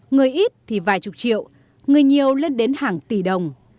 người ít thì vài chục triệu người nhiều lên đến hàng tỷ đồng